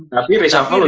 tapi reshuffle untuk apa